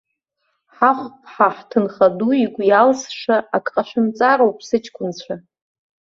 Ҳахәԥҳа, ҳҭынха ду игәы иалсша ак ҟашәымҵароуп, сыҷкәынцәа!